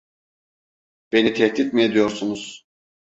Beni tehdit mi ediyorsunuz?